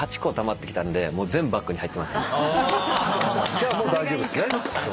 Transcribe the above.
じゃあもう大丈夫ですね。